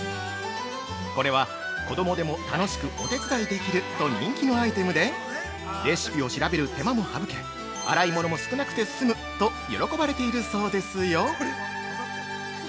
◆これは子供でも楽しくお手伝いできると人気のアイテムでレシピを調べる手間も省け、洗い物も少なくて済む！と喜ばれているそうですよ！